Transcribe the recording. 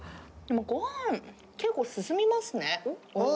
ごはん、結構進みますね。